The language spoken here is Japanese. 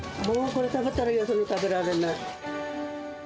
もうこれ食べたら、よその食べられない。